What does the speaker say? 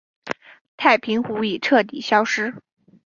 太平湖已彻底消失。